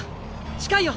近いよ。